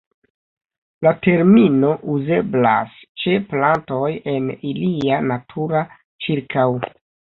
La termino uzeblas ĉe plantoj en ilia natura ĉirkaŭ.